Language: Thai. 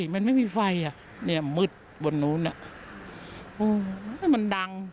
ถึงใช่มันไม่มีไฟอ่ะเนี่ยมืดบนนู้นอ่ะอุ้ยมันดัง